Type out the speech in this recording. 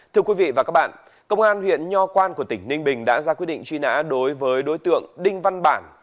thưa quý vị và các bạn công an huyện nho quan của tỉnh ninh bình đã ra quyết định truy nã đối với đối tượng đinh văn bản